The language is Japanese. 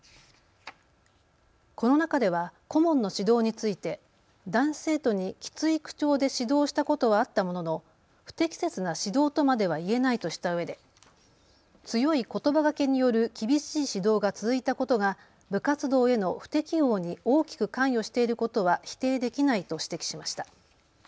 この中では顧問の指導について男子生徒にきつい口調で指導したことはあったものの不適切な指導とまでは言えないとしたうえで強いことばがけによる厳しい指導が続いたことが部活動への不適応に大きく関与していることは否定できないと指摘しました。